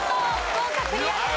福岡クリアです。